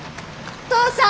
お父さん！？